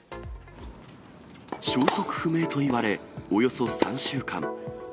消息不明といわれ、およそ３週間。